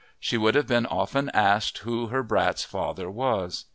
She would have been often asked who her brat's father was.